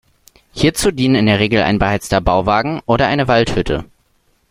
Hierzu dienen in der Regel ein beheizter Bauwagen oder eine Waldhütte.